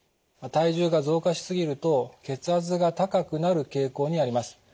体重が増加し過ぎると血圧が高くなる傾向にあります。